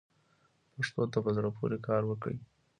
پښتو ته په زړه پورې کار وکړئ.